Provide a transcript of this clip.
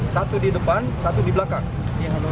satu di depan satu di belakang